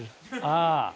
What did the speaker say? ああ。